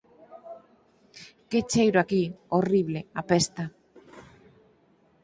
Que cheiro aquí, horrible, apesta.